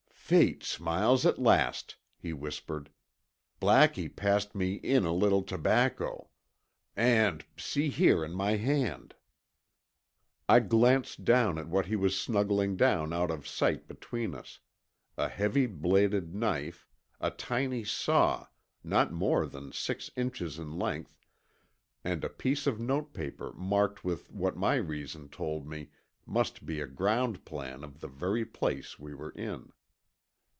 "Fate smiles at last," he whispered. "Blackie passed me in a little tobacco. And—see, here in my hand." I glanced down at what he was snuggling down out of sight between us, a heavy bladed knife, a tiny saw, not more than six inches in length, and a piece of notepaper marked with what my reason told me must be a ground plan of the very place we were in.